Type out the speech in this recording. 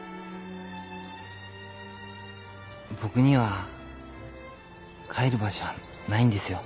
僕には帰る場所はないんですよ。